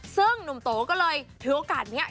ซึ่งหนุ่มโตก็เลยถือโอกาสนี้